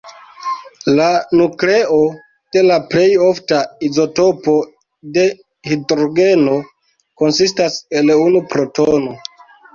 La nukleo de la plej ofta izotopo de hidrogeno konsistas el unu protono.